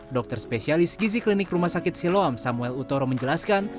dokter spesialis gizi klinik rumah sakit siloam samuel utoro menjelaskan